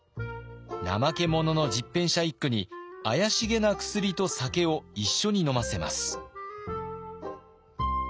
怠け者の十返舎一九に怪しげな薬と酒を一緒に飲ませます。